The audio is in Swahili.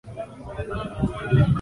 Baba amefika.